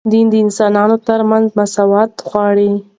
دین د انسانانو ترمنځ مساوات غواړي